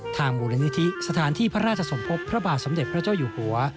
มูลนิธิสถานที่พระราชสมภพพระบาทสมเด็จพระเจ้าอยู่หัว